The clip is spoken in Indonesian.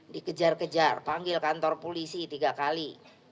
di kejar kejar panggil kantor polisi tiga kali